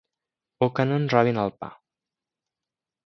O que no ens robin el pa.